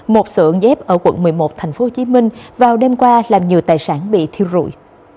một xưởng dép ở quận một mươi một thành phố hồ chí minh vào đêm qua làm nhiều tài sản bị thiêu rụi